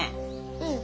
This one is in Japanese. うん。